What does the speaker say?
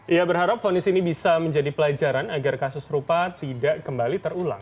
ia berharap fonis ini bisa menjadi pelajaran agar kasus rupa tidak kembali terulang